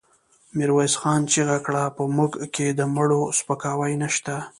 ميرويس خان چيغه کړه! په موږ کې د مړو سپکاوی نشته.